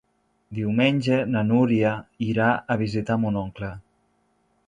Diumenge na Núria irà a visitar mon oncle.